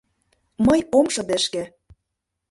Мый ом шыдешке.